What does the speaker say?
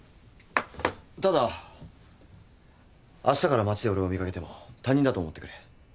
ただあしたから街で俺を見掛けても他人だと思ってくれ。